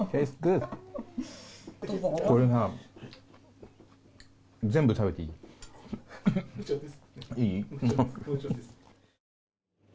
これが、全部食べていい？